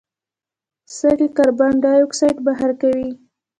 سږي کاربن ډای اکساید بهر کوي.